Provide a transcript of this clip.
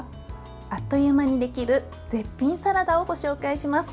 あっという間にできる絶品サラダをご紹介します。